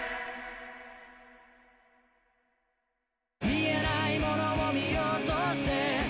「見えないモノを見ようとして」